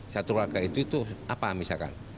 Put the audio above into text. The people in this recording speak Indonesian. satu keluarga itu apa misalkan